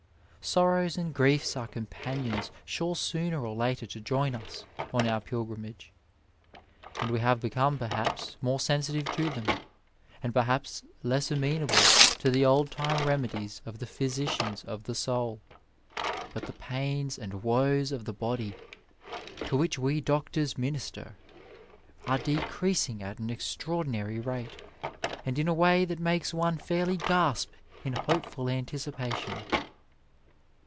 Sorrows and griefe are companions sure sooner or later to join us on our pilgrimage, and we have become perhaps more sensitive to them, and perhaps less amenable to the old time remedies of the physicians of the soul ; but the pains and woes of the body, to which we doctors minister, are decreasing at an extraordinary rate, and in a way that makes one fairly gasp in hopeful anticipation.